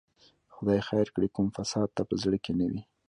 خدای خیر کړي، کوم فساد ته په زړه کې نه وي.